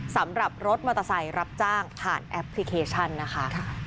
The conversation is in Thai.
สำหรับรถมอเตอร์ไซค์รับจ้างผ่านแอปพลิเคชันนะคะ